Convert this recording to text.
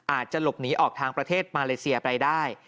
อาจจะหลบหนีออกทางประเทศมาเลเซียไปได้